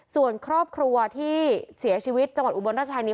ส่วนครอบครัวที่เสียชีวิตจังหวัดอุบลราชธานี